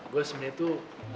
gue sebenernya tuh